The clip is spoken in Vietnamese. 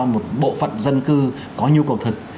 một bộ phận dân cư có nhu cầu thực